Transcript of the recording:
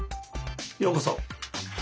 ようこそ。